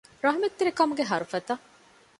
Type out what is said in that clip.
ރަޙްމަތްތެރިކަމުގެ ހަރުފަތަށް